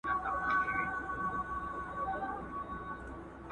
ورزش د بدن تکړتیا لوړوي.